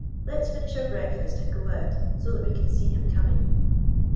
Let us finish our breakfast and go out, so that we can see him coming.